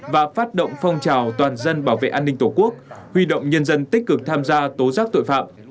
và phát động phong trào toàn dân bảo vệ an ninh tổ quốc huy động nhân dân tích cực tham gia tố giác tội phạm